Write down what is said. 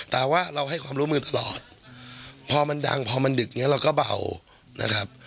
แต่ว่าเราให้ความรู้มือตลอดพอมันดังพอมันดึกเนี่ยเราก็เบานะครับ